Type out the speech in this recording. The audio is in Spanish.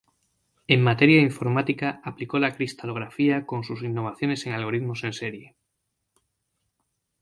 En materia de informática aplicó la cristalografía con sus innovaciones en algoritmos en serie.